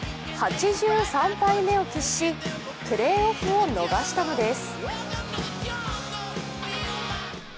８３敗目を喫し、プレーオフを逃したのです。